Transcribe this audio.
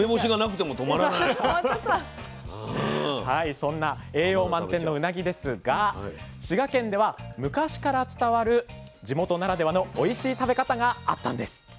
そんな栄養満点のうなぎですが滋賀県では昔から伝わる地元ならではのおいしい食べ方があったんです。